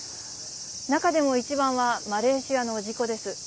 中でも一番は、マレーシアの事故です。